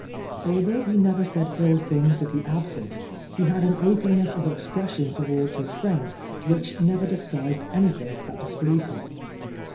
Although he never said ill things of the absent, he had an openness of expression towards his friends which never disguised anything that displeased him.